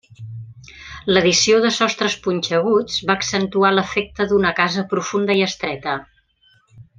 L'addició de sostres punxeguts va accentuar l'efecte d'una casa profunda i estreta.